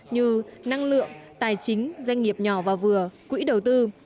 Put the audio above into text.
như năng lượng tài chính doanh nghiệp nhỏ và vừa quỹ đầu tư